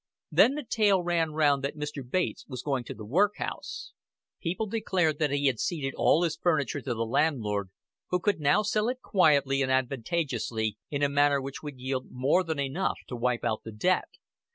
Then the tale ran round that Mr. Bates was going to the workhouse. People declared that he had ceded all his furniture to the landlord, who could now sell it quietly and advantageously, in a manner which would yield more than enough to wipe out the debt.